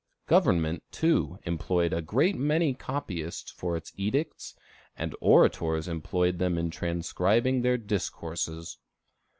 Government, too, employed a great many copyists for its edicts, and orators employed them in transcribing their discourses.